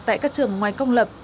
tại các trường ngoài công lập